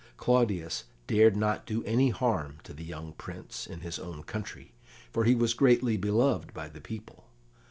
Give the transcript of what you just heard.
Claudius dared not do any harm to the young Prince in his own country, for he was greatly beloved by the people.